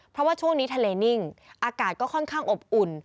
เพราะว่าช่วงนี้ทะเลนิ่งอากาศก็ค่อนข้างอบอุ่น